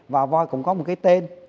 và voi cũng có một cái tên